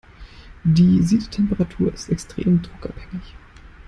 Die Siedetemperatur ist extrem druckabhängig.